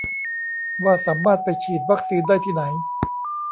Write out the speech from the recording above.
ว่าสามารถไปฉีดวัคซีนได้ที่ไหน